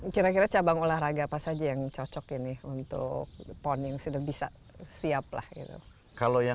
kira kira cabang olahraga apa saja yang cocok ini untuk pon yang sudah bisa siap lah gitu